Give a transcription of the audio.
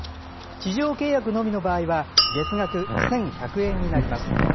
地上契約のみの場合は月額１１００円になります。